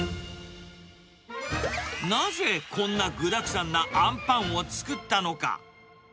なぜこんな具だくさんなあんぱんを作ったのか。